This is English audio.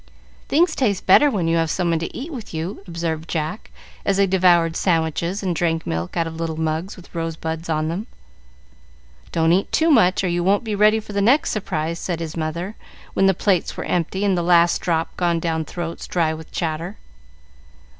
"Things taste better when you have someone to eat with you," observed Jack, as they devoured sandwiches, and drank milk out of little mugs with rosebuds on them. "Don't eat too much, or you won't be ready for the next surprise," said his mother, when the plates were empty, and the last drop gone down throats dry with much chatter.